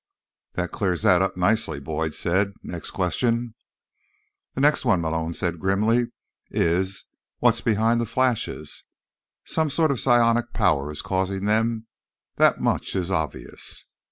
"That clears that up nicely," Boyd said. "Next question?" "The next one," Malone said grimly, "is, what's behind the flashes? Some sort of psionic power is causing them, that much is obvious."